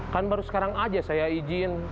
kan baru sekarang aja saya izin